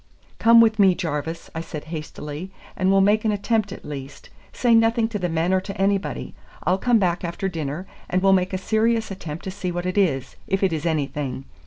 "Come with me, Jarvis," I said hastily, "and we'll make an attempt at least. Say nothing to the men or to anybody. I'll come back after dinner, and we'll make a serious attempt to see what it is, if it is anything.